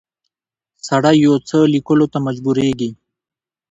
سړی یو څه لیکلو ته مجبوریږي.